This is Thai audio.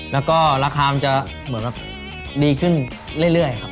แล้วก็ราการมันจะดีขึ้นเรื่อย